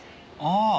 ああ！